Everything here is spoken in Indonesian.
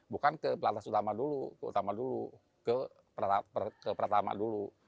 bukan ke pelantas utama dulu ke utama dulu ke pertama dulu